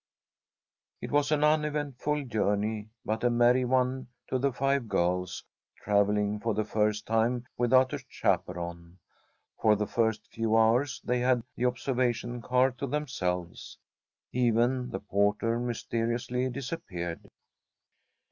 It was an uneventful journey, but a merry one to the five girls, travelling for the first time without a chaperon. For the first few hours they had the observation car to themselves. Even the porter mysteriously disappeared.